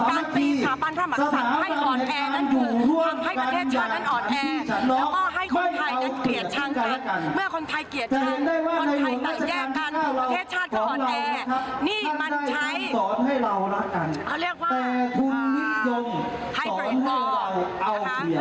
นี่มันเป็นเรื่องของอธิปไตยของไทยเพราะฉะนั้นการตีสถาบันพระมักษัตริย์ให้อ่อนแอนั่นคือทำให้ประเทศชาตินั้นอ่อนแอ